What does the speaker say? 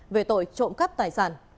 về tội trộm cắp tài sản